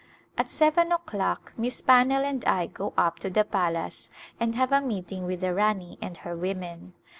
At seven o'clock Miss Pannell and I go up to the palace and have a meeting with the Rani and her women.